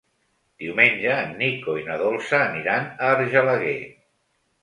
Diumenge en Nico i na Dolça aniran a Argelaguer.